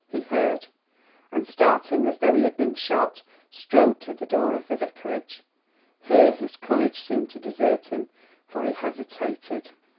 He heard, and starting as though he had been shot, strode to the door of the Vicarage. Here his courage seemed to desert him, for he hesitated.